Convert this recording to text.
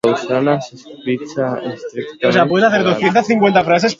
Lwaxana s'encapritxa instantàniament de l'agent.